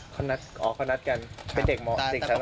เขานัดกันเป็นเด็กเมาะเด็กชั้นหรือไง